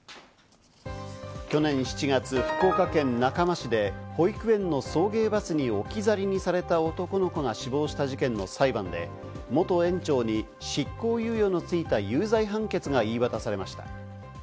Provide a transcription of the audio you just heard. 去年７月、福岡県中間市で保育園の送迎バスに置き去りにされた男の子が死亡した事件の裁判で、元園長に執行猶予のついた有罪判決が言い渡されました。